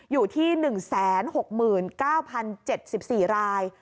อยู่ที่๑๖๙๐๗๔ราย